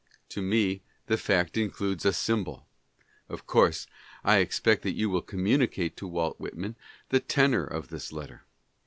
To me the fact includes a symbol ! Of course I expect that you will communicate to Walt Whitman the tenor of this letter.